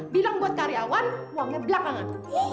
bilang buat karyawan uangnya belakangan